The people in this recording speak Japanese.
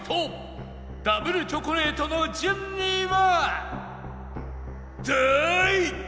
ダブルチョコレートの順位は？